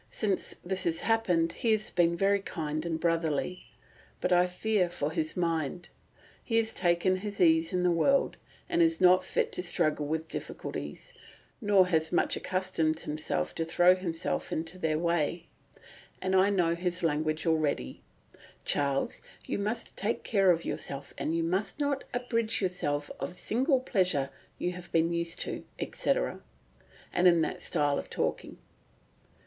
Since this has happened, he has been very kind and brotherly, but I fear for his mind. He has taken his ease in the world, and is not fit to struggle with difficulties, nor has much accustomed himself to throw himself into their way; and I know his language is already, 'Charles, you must take care of yourself, you must not abridge yourself of a single pleasure you have been used to,' etc.; and in that style of talking."